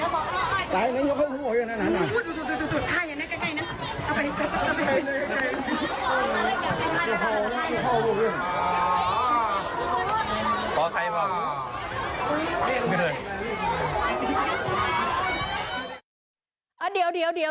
พ่อใครบอกไม่ได้เลย